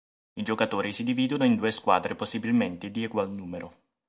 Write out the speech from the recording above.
I giocatori si dividono in due squadre possibilmente di egual numero.